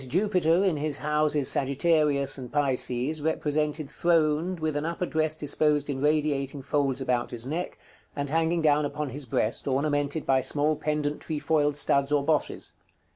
_ Jupiter, in his houses Sagittarius and Pisces, represented throned, with an upper dress disposed in radiating folds about his neck, and hanging down upon his breast, ornamented by small pendent trefoiled studs or bosses.